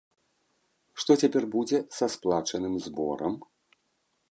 Што цяпер будзе са сплачаным зборам?